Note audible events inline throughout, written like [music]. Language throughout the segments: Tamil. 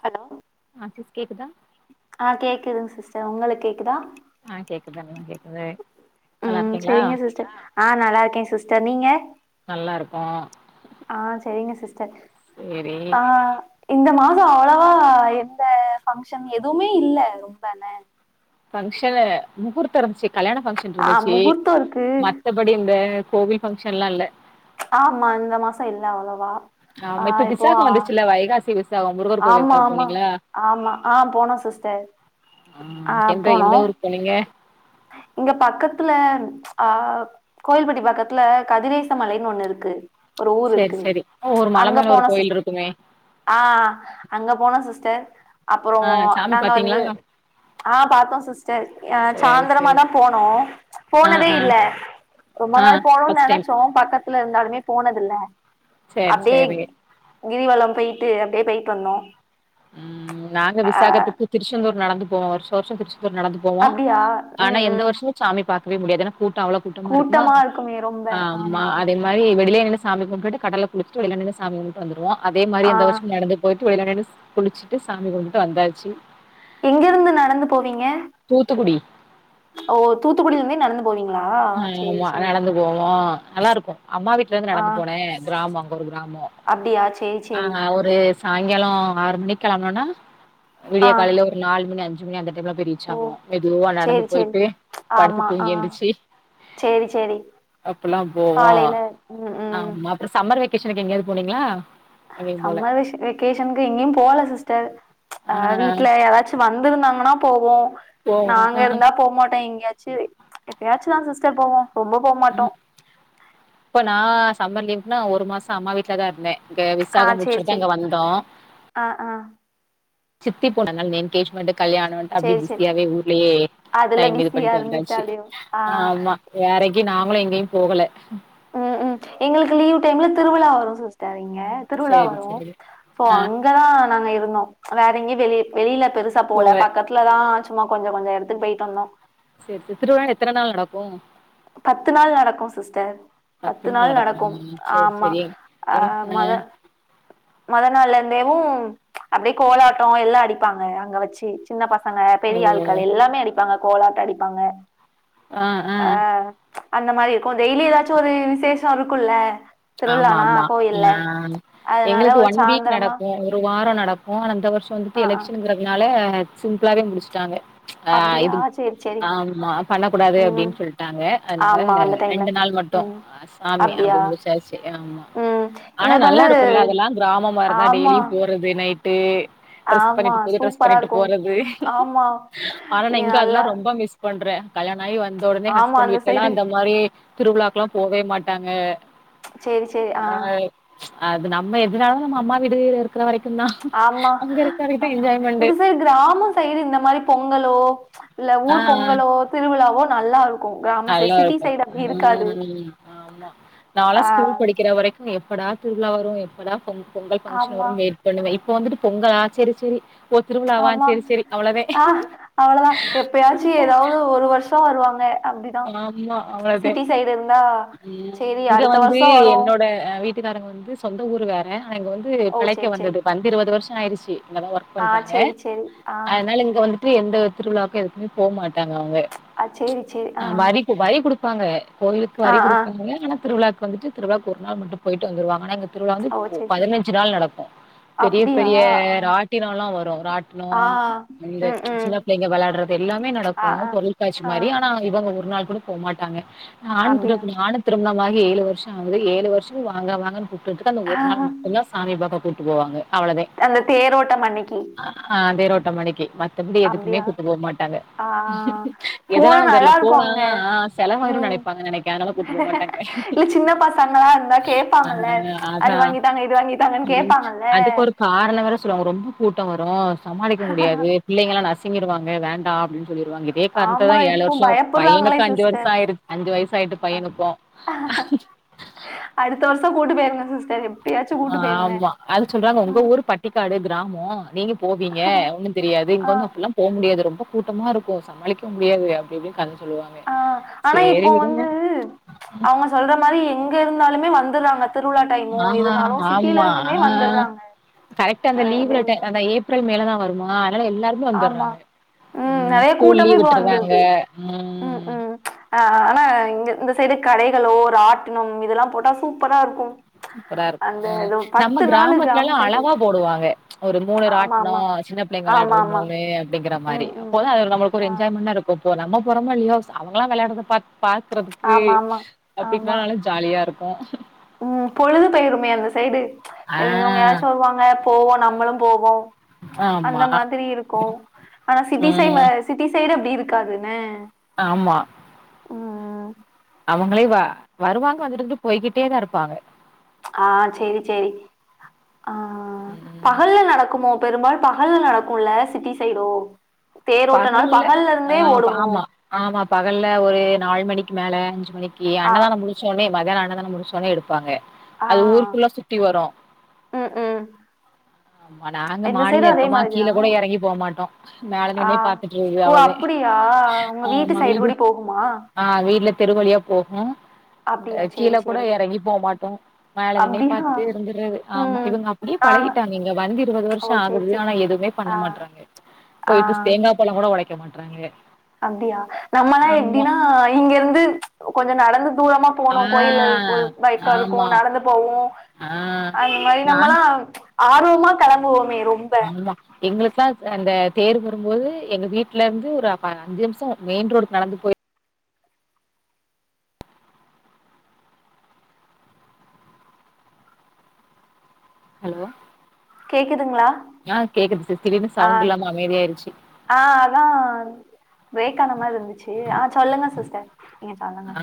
ஹலோ ஆ சிஸ் கேக்குதா க்குதுங் சிஸ்டர் உங்களுக் கேக்குதா ஆ கேக்குதுங்க கேக்குது நல்லா ம் இருக்கீங்களா செரிங்க சிஸ்டர் ஆ நல்லாருக்கே சிஸ்டர் நீங்க நல்லா இருக்கோ ஆ சரிங்க சிஸ்டர் சேரி ஆ இந்த மாச அவ்வளவா எந்த பங்க்ஷன் எதுமே இல்ல அப்தான பங்க்ஷன் முகூர்த்த இருந்ச்சு கல்யாண பங்க்ஷன் ஆ இருந்துச்சு முகூர்த்தோ இருக்கு மத்தபடி இந்த கோவில் ஃபங்க்ஷன்ல்லா இல்ல ஆமா இந்த மாச இல்ல அவ்வளவா ஆமா இப்ப ஆ இப்போ விசாக ஆ வந்துச்சுல்ல வைகாசி விசா ஆமா ஆமா ஆமா ஆ போன சிஸ்டர் ம் ஆ எந்த போனோ எந்த ஊருக்கு போனிங்க இங்க பக்கத்துல ஆ கோவில்பட்டி பக்கத்துல கதிரேச மலைன்னு ஒண்ணு இருக்கு ஒரு ஊர் சேரி இருக்கு சேரி ஒரு மல அங்க மேல ஒரு போன சிஸ் கோயில் இருக்குமே ஆ அங்க போன சிஸ் டர் அப்பறோ ஆ சாமி நாங்க பாத்தீங்களா வந்து ஆ பாத்தோ சிஸ்டர் எ சா சேரி சேரி ந்தரமாதா போனோ ஆ போனதே ஆ இல்ல ரொம்ப ஆ நாள் போனும்னு ஃபர்ஸ்ட் டைம் நெனச்சோ பக்கத்துல இருந்தாலுமே போனது இல்ல சேர் சேரி கிரிவலம் போய்ட்டு அப்டே போயி்ட் வந்தோ ம் நாங்க அ விசாகத்துக்கு திருச்செந்தூர் நடந்து போவோ வர்ஷ வர்ஷோ நடந்து போவோ அப்டியா ஆனா ம் எந்த ம் வர்ஷமு சாமி பாக்கவே முடியாது ஏனா கூட்டமஅவளோ கூட்டமா இருக்குமா இருக்குமே ரொம்ப ஆம்மா ஆமா அதே மாரி வெளிலே சாமி கும்டுட்டு கடல குளிச்சிட்டு வெளில நின்னு சாமி கும்ட்டு வந்துருவோ அதே மாதி ஆ இந்த வர்ஷமு நடந்து போயிட்டு வெளிள நின்னு குளிச்சிட்டு சாமி கும்ட்டு வந்தாச்சு எங்கிருந்து நடந்து போவீங்க தூத்துக்குடி ஓ தூத்துக்குடிலேந்தே நடந்து போவீங்களா சேரி ஆமா சேரி நடந்து போவோ நல்லாருக்கு அம்மா வீட்லேந்து ஆ நடந்து போனே கிராமோ ஒரு கிராம அப்டியா சேரி ஆ சேரி ஒரு சாயங்காலோ ஆறு மணிக் களம்னோனா ஆ விடிய காலைல ஒரு நாலு மணி அஞ்சு மணி அந்த மெதுவா போய் ரீச் ஓ ஆவோ மெதுவா நடந்து சேரி சேரி போய்ட்டு படுத்து ஆமா ஆ தூங்கி எழுந்துரிச்சு சேரி சேரி அப்பெல்லா போவோ காலையில ம் ம் ஆமா அப்றோ சம்ம மர் வெகேஷனுக்கு எங்கயாது போனீங்ளா சம்மர் வெஷ வெக்கேஷனுக்கு எங்கேயு போல சிஸ்டர் ஆ அ வீட்ல யாராச்சு வந்துருந்தாங்கனா போவோ போவோ நாங்க ஆ இருந்தா போமாட்டோ எங்யா செரி எப்பயாச்சுதா சிஸ்டர் போவோ ரொம்ப போமாட்டோ ம் இப்போ நா சம்மர் லீவுன்னா ஒரு மாச அம்மா வீட்ல தா இருந்த இங்க ஆ விசாக சேரி முடிச்சுட்தா சேரி அங்க வந்தோ ஆ ஆ சித்தி பொண்ணு அதுனால என்கேஷ்மன்ட்டு கல்யாணம்ன்ட்டு அப்டே சேரி சேரி பிஸியாவே ஊர்லேயே அதுல டைம் இது பிஸியா பண்ணிட்டு இருந்துட்டு வந்தாச்சு அப்டியே ஆ ஆமா வேறைக்கு நாங்களு எங்கயு போகல ம் ம் எங்களுக்கு லீவு டைம்ல திருவிழா வரு சிஸ்டர் இங் க திருவிழா சேரி வரு சேரி சோ ஆ அங்கதா நாங்க இருந்தோ வேற எங்கயு வெளி வெளில பெருசா போல பக்கத்துலதா சும்மா கொஞ்சோ கொஞ்சோ எடத்துக் போய்ட்டு வந்தோ செரி செரி திருவ்ழா எத்தன நாள் நடக்கோ பத்து நாள் நடக்கோ சிஸ்டர் பத்து நாள் நடக்குமா நடக்கோம் சேரி ஆமா சேரி ஆ மொத மொதல் நாள் இருந்தேவு அப்டே கோலாட்டோ எல்லா அடிப்பாங்க அங்க வெச்சு சின்ன பசங் ங்க ஓ பெரிய ஆட்கள் எல்லாமே அடிப்பாங்க கோளாட்ட அடிப்பாங்க ஆ ஆஹ் அந்த மாரி இருக்கோ டெய்லி ஏதாச்சு ஒரு விசேஷோ இருக்குல்ல ஆமா திருவிழானா ஆமா கோயில்ல ஆ அதனால எங்களுக் ஒரு ஒன் வீக் சாந்தரமா நடக்கோ ஒரு வார நடக்கோ ஆன அந்த வருஷோ ஆ வந்துட்டு ஆ எலக்ஷன்ங்கிறதுனால ஆ சிம்பிளாவே முடிச்சுட்டாங்க ஆ அப்டியா இது சேரி சேரி ஆமா பண்ணக்கூடாது ம் அப்டின்னு சொல்டாங்க அதுனால ஆமா அந்த டைம்ல ரெண்டு நாள் மட் டோ ம் சாமி அப்டியா அது உங்க சாய்ஸ் ஆமா ம் ஆனா எங்களுக்கு நல்லா வந்து இருக்கோல்ல அதெல்லா கிராமமா இருந்தா ஆமா டெய்லியு போறது நைட்டு டிரஸ் ஆமா பண்ணிட்டு புது டிரஸ் சூப்பரா பண்ணிட்டு இருக்கு போறது ஆமா ஆனா நா ஏ இங்க அதெல்ல நல்லா ரொம்ப மிஸ் பண்றே கல்யாண அய் வந்த உடனே ஆமா ஹஸ்பண்ட் வீட்டல்லா சைடு அந்த மாரி திருவிழாக்குல போவே மாட்டாங்க செரி செரி ஆ அது நம்ம எதனாலு நம்ம அம்மா வீடு இருக்கிற வெரைக் ஆமா இந்த சைடு கிராம சைடு இந்த மாரி பொங்கலோ இல்ல ஆ ஊர் பொங்கலோ திருவிழாவோ நல்லா இருக்கோ நல்லா இருக்கோ ம் ஆமா நாளா ஆ ஸ்கூல் படிக்கிற வரைக்கு எப்படா திருவிழா வரோ எப்படா பொங் பொங்கல் ஃபங்க்ஷன் ஆமா வரு வெயிட் பண்ணுவே இப்ப வந்துட்டு பொங்கலா செரி செரி இப்போ திருவிழா வா ஆமா செரி செரி அவ்ளோதே ஆ அவ்ளதா எப்பயாச்சு ஏதாவது ஒரு வருஷோ வருவாங்க அப்டிதா ஆமா அவ்ளோதே சிட்டி சைடு இருந்தா ம் சேரி இங்க அடுத்த வந்து வருஷோ வரு என்னோட வீட் ட்டுக்காரங்க வந்து சொந்த ஊரு வேற ஆன இங்க வந்து ஓ பிழைக்க சேரி சேரி வந்தது வந்து இருபது வருஷ ஆயிடுச்சி இங்க தா ஒர்க் ஆ பண்றாங்க சேரி சேரி ஆ அதனால இங்க வந்துட்டு எந்த திருவிழாக்கு எதுக்குமே போ மாட் அ செரி செரி அ வரிக் வரி குடுப்பாங்க கோயிலுக்கு ஆ வரி ஆ குடுப்பாங்க ஆனா திருவிழாவுக்கு வந்துட்டு திருவிழாக்கு ஒரு நாள் மட்டு போய்ட்டு வந்துருவாங்க ஆனா இங்க திருவிழா வந்து ஓ சேரி சேரி பதினஞ்சு நாள் நடக்கோ பெரிய அப்டியா பெரிய ஆ ராட்டினனோல வரு ராட்னோ ஆ இந்த ம் ம் சின்ன பிள்ளைங்க வேளையாடறது எல்லாமே ஆ நடக்கோ ஆ பொருள்காட்சி ஆ மாரி ஆனா இவங்க ஒரு நாள் கூட போ மாட்டாங்க நான் அப்டியா [unintelligible] வாகி ஏழு வருஷோ ஆகுது ஏழு வருஷ வாங்க வாங்கன்னு கூப்டதுக்கு அந்த ஒரு நாள் மட்டுதா சாமி பாக்க கூட்டு போவாங்க அவ்ளதே அந்த தேரோட்டம் அன்னைக்கி ஆ அதே ரோட்ட மணிக்கி தம்பி எதுக்குமே அப்டியா கூட்டு போ மாட்டாங்க ஆ போனா எதனால அந்த ல நல்லா இருக்கு போனா அங்க செலவாயிரு ம் நெனைப்பாங்க நெனைக்கே அதனால கூட்டு போமாட்டாங்க இல்ல சின்ன பசங்களா இருந்தா கேப்பாங்கல்ல ஆன அது அதா வாங்கித்தாங்க இது வாங்கித்தாங்கன்னு உம் கேப்பாங்கல்ல அதுக்கு ஒரு காரண வேற சொல்லுவாங்க ரொம்ப கூட் ட வரு சமாளிக்க முடியாது பிள்ளைங்களா நசுங்கிருவாங்க வேண்டா அப்டின்னு சொல்லிருவாங்க இதே காரணத் ஆமா தா ஏழு இப்போ வருஷோ பயப்பட்றாங்களே பையனுக்கு அஞ்சு வருஷ சிஸ்டர் ஆயிரு அஞ்சு வயசு ஆயிட்டு பையனுக்கோ அடுத்த வருஷ கூட்டு போயிருங்க சிஸ் ஆஹ்மா அது சொல்றாங்க உங்க ம் ஊரு பட்டிக்காடு கிரா கிராமோ நீங்க போவீங்க ஒன்னு தெரியாது இங்க ஆ வந்து அப்பில்லா போ முடியாது ரொம்ப கூட்டமா இருக்கு சமாளிக்க முடியாது அப்டி இப்டின்னு கத சொல்லுவாங்க ஆஹ் ஆனா சேரி இப்போ விடுங்க வந்து அவங்க சொல்ற மாரி எங்க இருந்தாலுமே வந்துறாங்க திருவிழா டைமோ ஆ எதுனாலு சிட்டில ஆமா இருந்துமே ஆ வந்துறாங்க கரெக்டா அந்த லீவுல டை அந்த ஏப்ரல் மேலதா வருமா அதனால எல்லாருமே வந்துறாங்க உம் நெறைய கூட்டமு இப்ப வந்துருது உம் ம் உம் ஆஹ் ஆனா இங்க இந்த சைடு கடைகளோ ராட்டினம் இதெல்லா போட்டா சூப்பரா இருக்கு சூப்பரா இருக்கு அந்த ஹ் இது நம்ம பத்து நாளு கிராம கிராமத்லல்லா சைடு அழகா போடுவாங்க ஒரு மூணு ஆமா ராட்னோ ஆமா சின்ன பிள்ளைங்க ஆமா விளயாடுறது மூ ஆமா னு அப்டிங்கிற மாரி ம் ம் அப்போதா அது நம்மளுக்கு ஒரு ஆ என்ஜாய்மெண்டா இருக்கு இப்போ நம்ம போறோமோ இல்லயோ அவங்களா வெளயாடறத பாத் பாக்குறதுக்கு ஆமா ஆமா ஆமா அப்டின்னாலே ஜாலியா இருக்கு பொழுதுபோயிருமே அந்த சைடு ஆ தெரிஞ்சவங்க யாராச்சு வருவாங்க போவோ நம்மளு போவோ அந்த ஆமா மாதிரி இருக்கு ஆனா சிட்டி சை ம் சிட்டி சைடு அப்டி இருக்காது ன ஆமா ம் அவங்களே வ வருவாங்க வந்துட்டு வந்துட்டு போய்கிட்டே தா இருப்பாங்க ஆ செரி செரி ஆ ம் பகல்ல நடக்குமோ பெரும்பாலு பகல்ல நடக்குல்ல சிட்டி சைடோ தேரோட்டனால் பகல்ல ஆ இருந்தே ஓடுமோ ஆமா ஆமா பகல்ல ஒரு நாலு மணிக்கு மேல அஞ்சு மணிக்கு ஆ அன்னதான முடிச்சோனே மதியான அன்னதான முடிச்சோனே எடுப்பாங்க ஆ அது ஊர் ஃபுல்லா சுத்தி வரு ம் ம் ஆமா நாங்க இந்த சைடு மாடில அதே இருக்கமா கீழ மாதிரிதா கூட எறங்கி போமாட்டோ மேல ஆ நின்னே பாத்துட்ரு ஓ அவ்ளதே அப்டியா உங்க வீட்டு ஆமா சைடு வீடு கூடி போகுமா ஆ வீட்ல தெருவழியா போகு அப்டியா கீழ சேரி கோட சேரி எறங்கி போமாட்டோ மேல நின்னே அப்டியா பாத்ட்டே இருந்தர்றது ஆமா ம் இவுங்க அப்டியே ஆ பழகி இங்க வந்து இருபது வருஷ ஓ சேரி ஆகுது சேரி ஆனா எதுமே பண்ண ஆ மாட்றாங்க ஆ போய்ட்டு தேங்கா பழங்கோட அப்டியா நம்மல்லா ஆமா எப்டினா இங்கருந்து கொஞ்ச நடந்து தூரமா ஆ போனு கோயில்ல ஒ பைக்கா இருக்கு ஆமா நடந்து போவோ ஆ அந்த மாரி நான் நம்மல்லா ஆர்வமா கெளம்புவோமே ரொம்ப ஆமா எங்ளுக்கு அந்த தேர் வரும்போது எங்க வீட்ல இருந்து ஒரு அ அஞ்சு நிம்ஷ மெயின் ரோடுக்கு நடந்து போய் ஹலோ கேக்குதுங்களா ஆ கேக்குது சிஷ் திடீர்னு ஆ சவுண்ட் இல்லாம அமைதியாயிருச்சு ஆ அதா பிரேக் ஆன மாரி இருந்துச்சு ஆ சொல்லுங்க சிஸ்டர் நீங்க சொல்லுங்க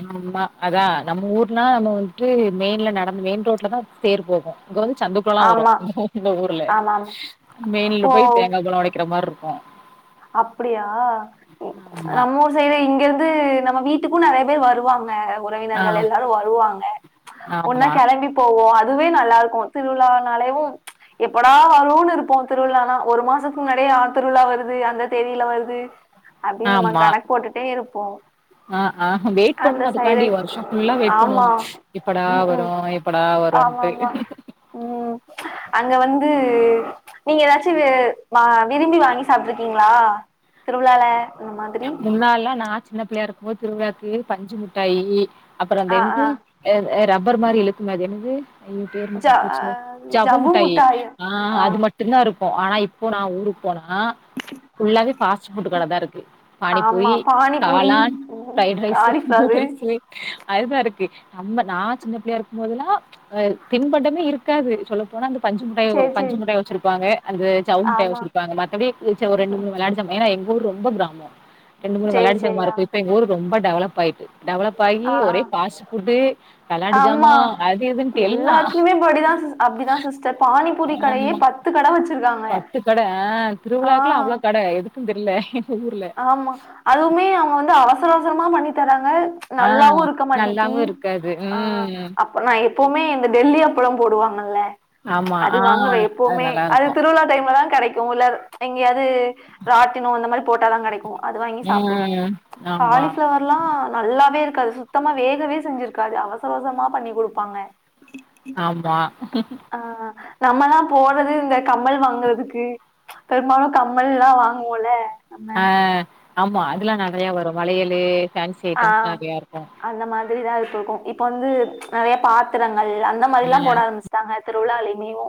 அதா நம்ம ஊர்னா நம்ம வந்துட்டு மெயின்ல நடந்து மெய்ன் ரோட்ல தா தேர் போகு இங்க வந்து சந்துக்குலலா வரு ஆமா இந்த ஊர்ல ஆமா ஆமா மெய்ன்ல போய் தேங்கா பழ ஒடக்கிற மார் இரு க்கு அப்டியா ஆமா. நம்ம ஊர் சைடு இங்க இருந் து நம்ம வீட்டுக்கு நெறைய பேர் வருவாங்க ஆ உறவினர்கள் எல்லாரு வருவாங்க ஒன்னா ஆமா, கெளம்பி போவோ அதுவே நல்லாருக்கு திருவிழா னாலேவு எப்படா வருனு இருப்போ திருவிழானா ஒரு மாசத்துக்கு முன்னாடியே ஆ திருவிழா வரு து அந்த தேதியில வருது அப்டின் நம்ம ஆமா. கணக்கு போட்டுட்டே இருப்போ ஆ ஆ வெயிட் பண்ணுவோ அதுக்காண்டி வருஷோ ஃபுல்லா வெயிட் ஆமா பண்ணுவோ எப்படா ம் வரு ம் எப்படா ஆமா வருன்ட்டு ஆமா ம் அங்க வந்து நீங்க எதாச்சு நா விரும்பி வாங்கி சாப்ட்ருக்கிங்ளா திருவிழால அந்த மாதிரி முன்னாலலா நா சின்ன பிள்ளயா இருக்கும் போது திருவிழாக்கு பஞ்சுமுட்டாயி அப்றோ ஆ அதென்து ஆ எ எ ரப்பர் மாரி இழுக்குமே அது என்னது ஐயோ பேரு ஜ மறந்துபோச்சே ஜவ்வு முட்டாயி ஆ அது மட்டுந்தா இருக் கு ஆனா இப்போ நா ஊருக் போனா ஃபுல்லாவே ஃபாஸ்ட் ஃபுட் கட தா இருக்கு பானிப்பூரி ஆமா பானிபூரி காளான் ம் ஃப்ரைடு ரைஸு காலிஃப்ளவரு நூடுல்ஸு அதுதா இருக்கு நம்ம நா சின்ன பிள்ளயா இருக்கம் போதெல்லா அ தின்பண்டமே இருக்காது சொல்ல போனா அந்த பஞ்சுமுட்டாய் சேரி சேரி பஞ்சுமுட்டாய் வச்சிருப்பாங்க அந்த ஜவ்வு முட்டாய் ஆமா வச்சிருப்பாங்க மத்தபடி ஒரு ரெண்டு மூனு வெளாட்டு ஜாமா ஏனா எங் க ஊர் ரொம்ப கிராமோ ரெண்டு மூனு சேரி வெளாட்டு ஜாமா சேரி ஆ இருக்கு இப்ப எங்க ஊர் ரொம்ப டெவலப் ஆய்ட்டு டெவலப் ஆயி ஆ ஒரே ஆ ஃபாஸ்ட் ஃபுட்டு வெளாட்டு ஆமா ஜாமா அது இதுன்ட்டு எல்லா எல்லாத்துலயுமே படிதா அப்டிதா சிஸ்டர் பானிபூரி கடையே ஆமா பத்து கட வச்சிருக்காங்க ஆ ன கட எதுக்குன் தெர்ல எங்கூர்ல ஆமா அதுவுமே அவங்க வந்து அவசர அவசரமா பண்ணி தராங்க ஆ நல்லாவு இருக்க மாட்டிக்கி நல்லாவு இருக்காது. ஆ ம் அப்ப நா எப்பவுமே இந்த டெல்லி அப் அப்ளோ போடுவாங்கல்ல ஆமா. அது ஆ வாங்குவே எப்பவுமே அது திருவிழா டைம்ல தா கெடைக்கூ இல்ல எங்கயாவ்து ராட்டினோ இந்த மாறி போட்டாதா கெடைக்கூ அது வாங்கி சாப்டுவோ ம் ஆமா, காலிஃப்ளவர்லா நல்லாவே இருக்காது சுத்தமா வேகவே செஞ்சிர்க்காது அவசர அவசரமா பண்ணி குடுப்பாங்க ஆமா ஆ நம்மல்லா போறது இந்த கம்மல் வாங்குறதுக்கு பெரும்பாலு கம்மல்லா வாங்குவோல நம்ம ஆ ஆமா அதுலா நெறயா வரு வளையலு ஃபேன்சி ஐட்டம்ஸ்லா நெறயா இருக்கூ புரிதா இப்பவுக்கு இப்ப வந்து நெறயா பாத்திரங்கள் அந்த மாறிலா போட ம் ஆரம்ச்ட்டாங்க திருவிழாளமேவு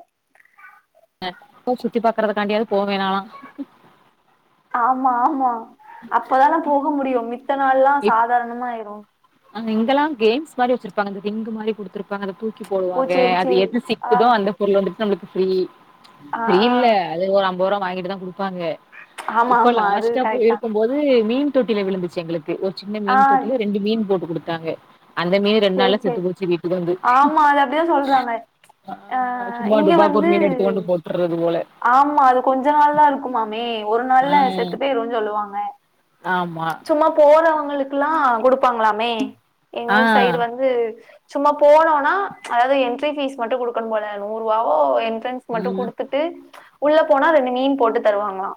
நட்பு சுத்தி பாக்கறதுக்கான்டியாவது போவே நாலா ஆமா ஆமா அப்பதான போக முடியு மித்த நாள்லா சாதாரணமாய்ரு அங்க இங்களா கேம்ஸ் மாறி வச்சிருப்பாங்க அந்த ரிங் மாறி குடுத்துர் வாங்க அத தூக்கி ஓ போடுவாங்க சேரி அது சேரி எது ஆ சிக்குதோ அந்த பொருள் வந்துட்டு நம்ளுக்கு ஃப்ரீ ஆ ஆ ஃப்ரியில்ல அது ஒரு அம்பரூவா வாங்கிட்டு தா குடு பாங்க ஆமா இப்ப ஆமா அது லாஸ்டா கரெக்ட் தா போய்ருக்கும் போது மீன் தொட்டில விழுந்துச்சு எங்களுக் கு ஒரு சின்ன ஆ மீன் தொட்டில ரெண்டு மீன் போட்டு குடுத்தாங்க அந்த மீன் ரெண்டு நாள்ல சேரி செத்து சேரி போச்சு வீட்டுக் வந்து ஆமா அது அப்டிதா சொல்றாங்க ஆமா ஆ சும்மா இங்க டுபாகூர் மீன் எடுத்துக் வந்து கொண்டு போட்ரது போல ஆமா அது கொஞ்ச நாள் தா இருக்குமாமே ஒரு நாள்ல ஆ செத்து பெய்ரூனு சொல்லுவாங்க ஆமா சும்மா போறவங்களுக்குல்லா குடுப்பாங்ளாமே எங்க ஆ ஊர் சைடு வந்து சும்மா போனோனா அதாவ்து எண்ட்ரி ஃபீஸ்க் மட்டு குடுக்கனு போல நூறு ரூவாவோ என்ட்ரன்ஸ்க் மட்டு ம் குடுத்துட் உள்ள போனா ரெண்டு மீன் போட்டு தருவாங்ளா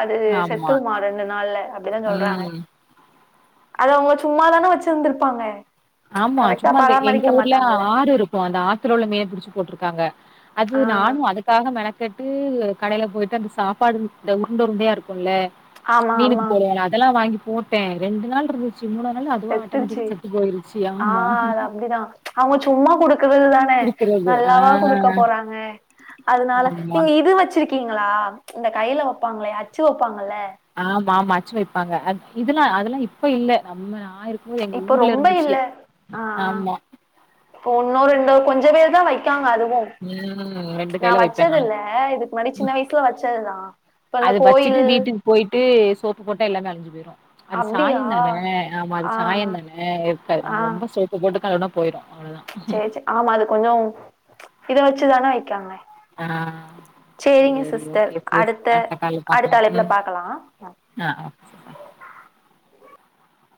அது ஆமா செத்ருமா ரெண்டு நாள்ல அப்டிதா சொல்றாங்க ம் அத அவங்க சும்மாதான வச்சிந்திர்ப்பாங்க ஆமா சும்மா அந்த எங்க ஊர்லா ஆறு இருக்கூ அந்த ஆத்துல உள்ள மீன புடிச்சி போட்ருக்காங்க அது ஆ நானு அதுக்காக மெனக் கெட்டு கடைய்ல போய்ட்டு அந்த சாப்பாடு இந்த உருண்ட உருண்ட உருண்டயா இருக்கூல ஆமா மீனுக்கு ஆமா போடுவோல அதல்லா வாங்கி போட்டே ரெண்டு நாள் இருந்துச் சு மூணானாலு அதுவா செத்துருச்சு ஆட்டாமேட்டிக்கா செத்து போய்ருச் ஆ அது அப்டிதா அவங்க சும்மா குடுக்குறது தான் ன இருக்கிறது ஆ நல்லாவா குடுக்க போறாங்க அதுனால ஆமா நீங்க இது வச்சிருக்கீங்களா ஆ இந்த கையில வப்பாங்களே அச்சு வப்பாங் ஆமா ஆமா ஆச்சு வைய்ப்பாங்க அது இதெல்லா அதெல்லா இப்ப இல்ல நம்ம ஆயிருக் இப்ப ரொம்ப இல்ல ஆ ஆமா இப்போ ஒன்னோ ரெண்டோ கொஞ் இதுவே தா வைக்காங்க அது ம் ரெண்டு நா கையில வைப்பே வச்சது நானு இல்ல இதுக்கு முன்னாடி சின்ன வயசுல வச்சதுதா அது வச்சிட்டு வீட்டுக்கு போயிட்டு சோப்பு போட்டா எல்லாமே அழஞ்சி போய்ரு அது அப்டியா சாய தானே ஆமா அது ஆ ஆ சாயம் தானே இருக்காது நம்ம ரொம்ப சோப்பு போட்டு கழுவுனா போயிரு அவ்ளோதா சரி சரி ஆமா அது கொஞ்ச இத வச்சு தானே வைக்காங்க ஆ சேரிங்க செரி சிஸ்டர் ஓகே சிஸ் அடுத்த கால்ல பாக்கலா அடுத்த அழைப்புல ம் பாக்கலாம் ஆ ஆ